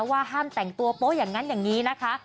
ว่าห้ามแต่งตัวโป๊ะอย่างนั้นอย่างนี้นะคะ